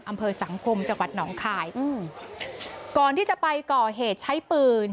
อำเภอสังคมจังหวัดหนองคายอืมก่อนที่จะไปก่อเหตุใช้ปืน